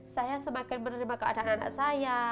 saya semakin menerima keadaan anak saya